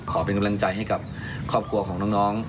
ขอเป็นกำลังใจให้กับครอบครัวของน้อง